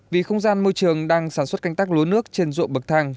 vì không gian môi trường đang sản xuất canh tác lúa nước trên ruộng bậc thang